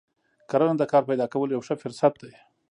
کرنه د کار پیدا کولو یو ښه فرصت دی.